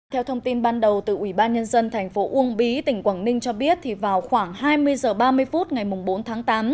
theo thông tin ban đầu từ ủy ban nhân dân thành phố uông bí tỉnh quảng ninh cho biết vào khoảng hai mươi h ba mươi phút ngày bốn tháng tám